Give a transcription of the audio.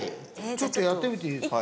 ちょっとやってみていいですか？